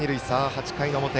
８回の表。